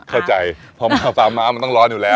เข้าใจพอมาฟาร์ม้ามันต้องร้อนอยู่แล้ว